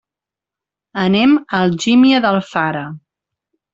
Anem a Algímia d'Alfara.